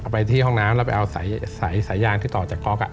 ไปที่ห้องน้ำแล้วไปเอาสายยางที่ต่อจากก๊อก